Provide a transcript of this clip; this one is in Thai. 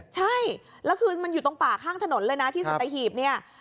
ใช่แล้วคือมันอยู่ตรงป่าข้างถนนเลยนะที่สัตหีบเนี่ย